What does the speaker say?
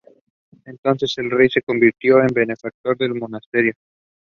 Both singles are from his forthcoming second studio album.